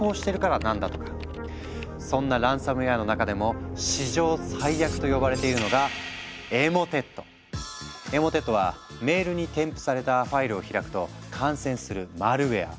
そんなランサムウェアの中でも史上最悪と呼ばれているのがエモテットはメールに添付されたファイルを開くと感染するマルウェア。